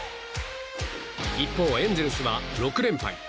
一方、エンゼルスは６連敗。